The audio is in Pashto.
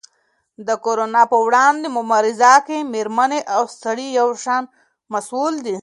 د کرونا په وړاندې مبارزه کې مېرمنې او سړي یو شان مسؤل دي.